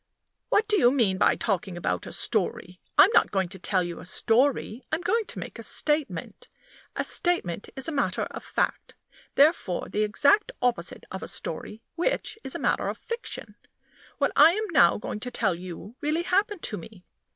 "What do you mean by talking about a story? I'm not going to tell you a story; I'm going to make a statement. A statement is a matter of fact, therefore the exact opposite of a story, which is a matter of fiction. What I am now going to tell you really happened to me."